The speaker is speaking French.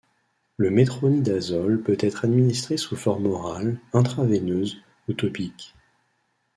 Le métronidazole peut être administré sous forme orale, intraveineuse ou topique.